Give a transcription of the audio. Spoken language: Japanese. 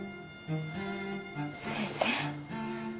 先生。